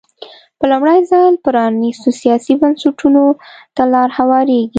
په لومړي ځل پرانېستو سیاسي بنسټونو ته لار هوارېږي.